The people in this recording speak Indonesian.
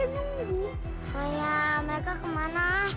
ayah mereka kemana